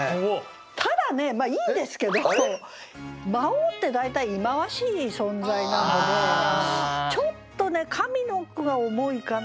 ただねまあいいんですけど魔王って大体忌まわしい存在なのでちょっとね上の句が重いかな。